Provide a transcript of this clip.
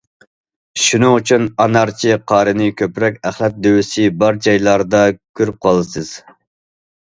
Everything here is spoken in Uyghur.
شۇنىڭ ئۈچۈن، ئانارچى قارىنى كۆپرەك ئەخلەت دۆۋىسى بار جايلاردا كۆرۈپ قالىسىز.